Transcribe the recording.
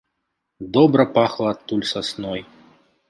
Добра пахла адтуль сасной.